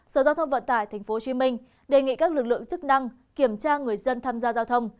sở giao thông vận tải tp hcm đề nghị các lực lượng chức năng kiểm tra người dân tham gia giao thông